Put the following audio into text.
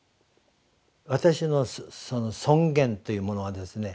私の尊厳というものはですね